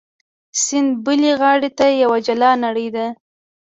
سیند بلې غاړې ته یوه جلا نړۍ ده.